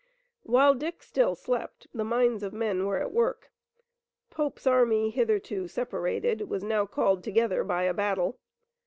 While Dick still slept, the minds of men were at work. Pope's army, hitherto separated, was now called together by a battle.